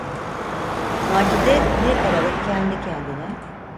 Macide bir aralık kendi kendine: